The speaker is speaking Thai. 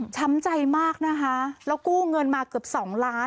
ใจมากนะคะแล้วกู้เงินมาเกือบ๒ล้าน